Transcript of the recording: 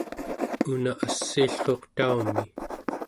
una assiillruuq taumi